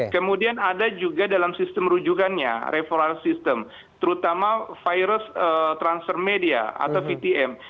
kemudian ada juga dalam sistem rujukannya referral system terutama virus transfer media atau vtm